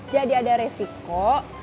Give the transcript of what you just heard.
jadi ada resiko